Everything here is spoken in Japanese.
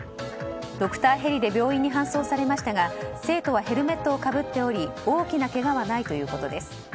ドクターヘリで病院に搬送されましたが生徒はヘルメットをかぶっており大きなけがはないということです。